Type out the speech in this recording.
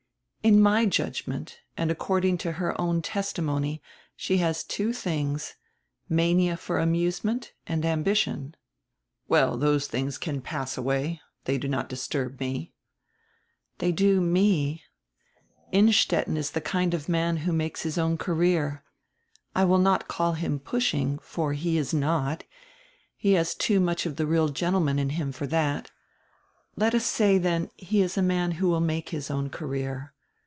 "In my judgment, and according to her own testimony, she has two tilings: mania for amusement and ambition." "Well, those things can pass away. They do not dis turb me." "They do me. Innstetten is die kind of a man who makes his own career. I will not call him pushing, for he is not, he has too much of die real gendeman in him for diat. Let us say, then, he is a man who will make his own career.